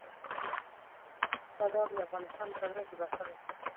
بادام د افغانستان د صادراتو برخه ده.